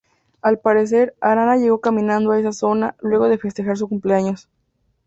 Al parecer, Arana llegó caminando a esa zona luego de festejar su cumpleaños.